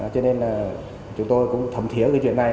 cho nên là chúng tôi cũng thẩm thiếu cái chuyện này